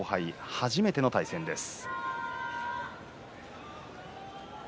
初めての対戦です。